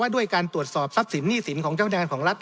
ด้วยการตรวจสอบทรัพย์สินหนี้สินของเจ้าพนักงานของรัฐ